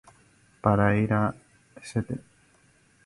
Para ir a St.